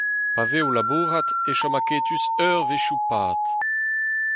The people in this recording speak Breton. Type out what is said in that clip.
Pa vez o labourat e chom aketus eurvezhioù pad.